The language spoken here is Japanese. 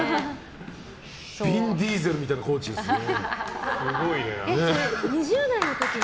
ビン・ディーゼルみたいなコーチですね。